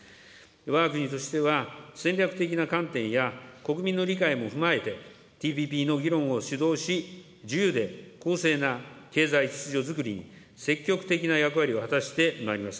わが国としては戦略的な観点や、国民の理解も踏まえて、ＴＰＰの議論を主導し、自由で公正な経済秩序づくりに積極的な役割を果たしてまいります。